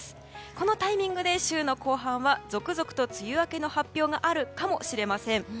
このタイミングで週の後半は続々と梅雨明けの発表があるかもしれません。